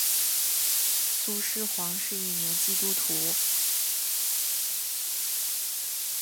苏施黄是一名基督徒。